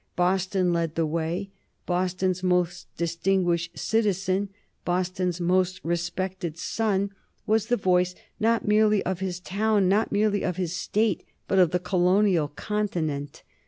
Boston led the way. Boston's most distinguished citizen, Boston's most respected son was the voice not merely of his town, not merely of his State, but of the colonial continent.